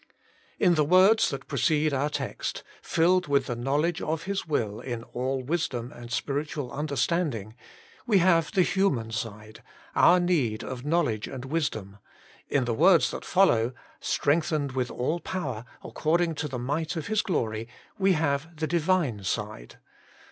In the words that precede our text, ' filled with the knowledge of His will in all wisdom and spiritual understanding,' we have the human side, our need of knowl edge and wisdom ; in the words that follow, * strengthened with all power, according to the might of His glory,' we have the Divine side.